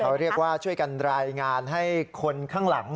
เขาเรียกว่าช่วยกันรายงานให้คนข้างหลัง